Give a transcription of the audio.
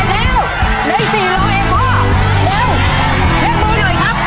ย้ายฉีกเลยครับ